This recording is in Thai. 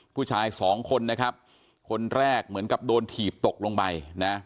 ผู้ชายสองคนนะครับคนแรกเหมือนกับโดนถีบตกลงไปนะ